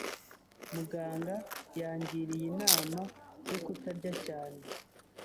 Muganga yangiriye inama yo kutarya cyane.